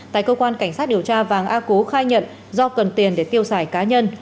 tại cơ quan cảnh sát điều tra vàng a cố khai nhận do cần tiền để tiêu xài cá nhân